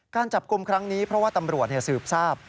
การจับกลุ่มครั้งนี้เพราะว่าตำรวจสืบทราบ